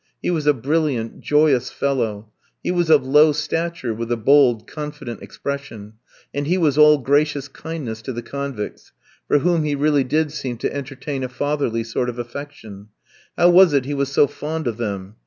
He was a brilliant, joyous fellow. He was of low stature, with a bold, confident expression, and he was all gracious kindness to the convicts, for whom he really did seem to entertain a fatherly sort of affection. How was it he was so fond of them?